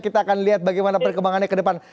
kita akan lihat bagaimana perkembangannya ke depan